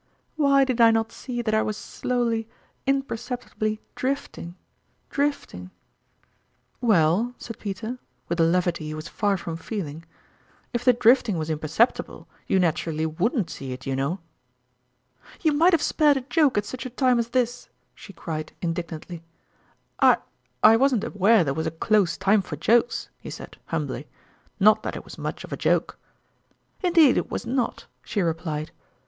"Why did I not see that I was slowly, imperceptibly drifting drifting "" Well," said Peter, with a levity he was far from feeling, " if the drifting was impercepti ble, you naturally wouldn't see it, you know !"" You might have spared a joke at such a time as this !" she cried, indignantly. " I I wasn't aware there was a close time for jokes," he said, humbly ;" not that it was much of a joke !"" Indeed it was not," she replied.